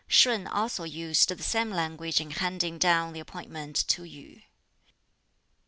Shun also used the same language in handing down the appointment to Yu.